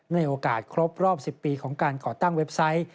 ในโอกาสครบรอบ๑๐ปีของการก่อตั้งเว็บไซต์